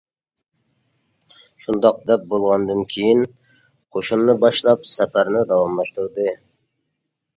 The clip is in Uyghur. شۇنداق دەپ بولغاندىن كېيىن قوشۇننى باشلاپ سەپەرنى داۋاملاشتۇردى.